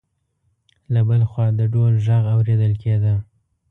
له بل خوا د ډول غږ اوریدل کېده.